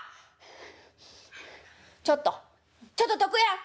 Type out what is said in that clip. ちょっとちょっととくやん！